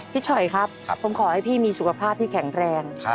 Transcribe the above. ฉอยครับผมขอให้พี่มีสุขภาพที่แข็งแรง